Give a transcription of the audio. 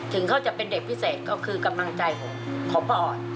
ถึงเขาจะเป็นเด็กพิเศษก็คือกำลังใจผมของป้าอ่อน